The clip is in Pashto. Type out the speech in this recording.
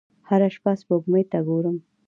هره شپه سپوږمۍ ته ګورم